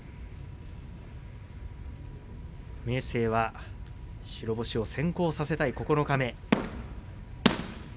明生は白星を先行させたい九日目。